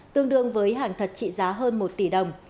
tương đương với hàng thật trị giá hơn một tỷ đồng